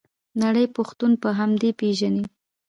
نړۍ پښتون په همدې پیژني.